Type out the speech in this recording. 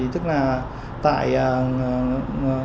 tức là tại việt nam